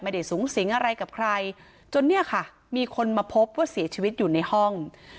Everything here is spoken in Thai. สูงสิงอะไรกับใครจนเนี่ยค่ะมีคนมาพบว่าเสียชีวิตอยู่ในห้อง